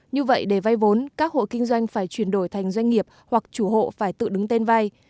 như vậy để vay vốn các hộ kinh doanh phải chuyển đổi thành doanh nghiệp hoặc chủ hộ phải tự đứng tên vay